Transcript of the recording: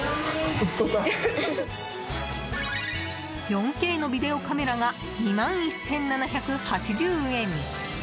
４Ｋのビデオカメラが２万１７８０円。